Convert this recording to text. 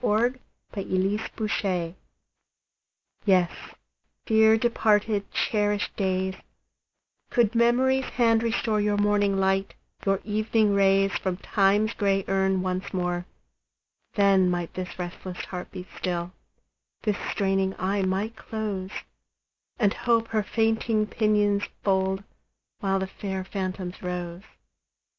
DEPARTED DAYS YES, dear departed, cherished days, Could Memory's hand restore Your morning light, your evening rays, From Time's gray urn once more, Then might this restless heart be still, This straining eye might close, And Hope her fainting pinions fold, While the fair phantoms rose.